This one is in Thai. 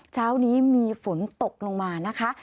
เช้านี้มีฝนตกลงมานะคะ